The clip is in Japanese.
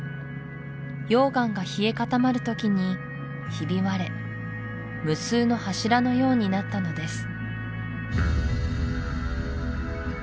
溶岩が冷え固まる時にひび割れ無数の柱のようになったのです